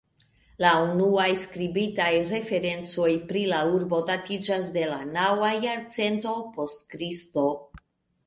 La unuaj skribitaj referencoj pri la urbo datiĝas de la naŭa jarcento post Kristo.